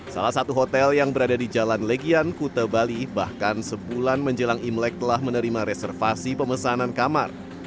salah satu hotel yang berada di jalan legian kute bali bahkan sebulan menjelang imlek telah menerima reservasi pemesanan kamar